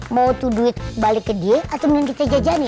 mau tuh duit balik ke dia atau menuntut aja aja nih